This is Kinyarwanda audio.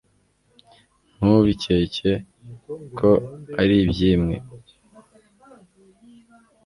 Ntubikeke ko ari iby' imwe !